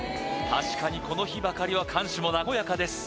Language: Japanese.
確かにこの日ばかりは看守も和やかです